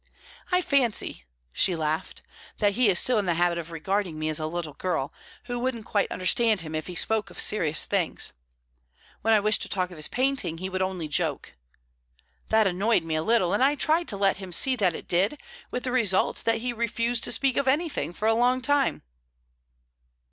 I fancy" she laughed "that he is still in the habit of regarding me as a little girl, who wouldn't quite understand him if he spoke of serious things. When I wished to talk of his painting, he would only joke. That annoyed me a little, and I tried to let him see that it did, with the result that he refused to speak of anything for a long time."